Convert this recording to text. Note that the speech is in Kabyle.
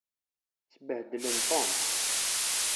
Sbehdlen Tom.